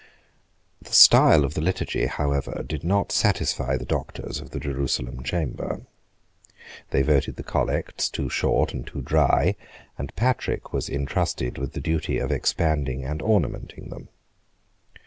The style of the Liturgy, however, did not satisfy the Doctors of the Jerusalem Chamber. They voted the Collects too short and too dry: and Patrick was intrusted with the duty of expanding and ornamenting them.